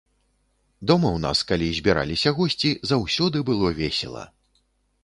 Дома ў нас, калі збіраліся госці, заўсёды было весела.